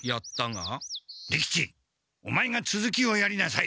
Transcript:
利吉オマエがつづきをやりなさい！